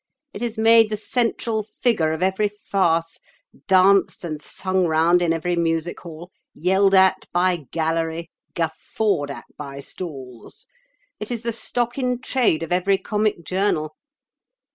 It is made the central figure of every farce, danced and sung round in every music hall, yelled at by gallery, guffawed at by stalls. It is the stock in trade of every comic journal.